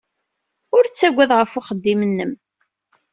Ur ttagad ɣef uxeddim-nnem.